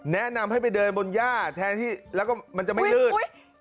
แนะนำให้ไปเดินบนหญ้าแล้วก็มันจะไม่ลืด